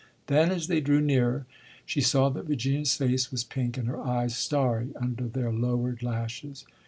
Then, as they drew nearer, she saw that Virginia's face was pink and her eyes starry under their lowered lashes.